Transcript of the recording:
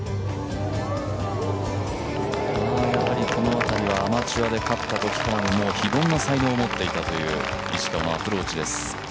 この辺りはアマチュアで勝ったときから非凡な才能を持っていたという石川のアプローチです。